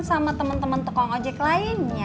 sama temen temen tukang ojek lainnya